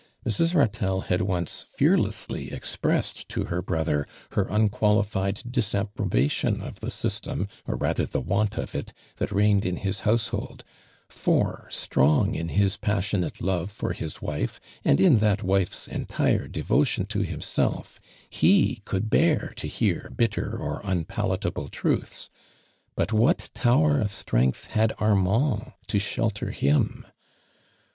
Mrs. H'ltelle Irul once fearless ly expressed to her brotlier, lier un(|ualified disapprobation of the system, or rather the want of it, that reigned in his household; for strong in his passionate love for liis wife and in that wife's entire devotion to him self, he could bear to hear bitter or unpa latable truths; but what tower of strength had Arninnd to shelter him